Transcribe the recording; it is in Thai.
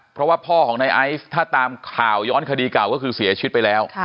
เพราะว่าพ่อของนายไอซ์ถ้าตามข่าวย้อนคดีเก่าก็คือเสียชีวิตไปแล้ว